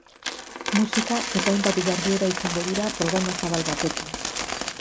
Musika eta hainbat jarduera izango dira programa zabal batekin.